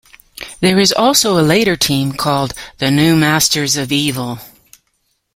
There is also a later team called the New Masters of Evil.